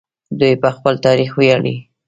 دوی په خپل تاریخ ویاړي.